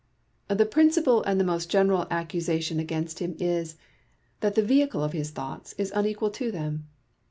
The principal and the most general accusation against him is, that the vehicle of his thoughts is unequal to them.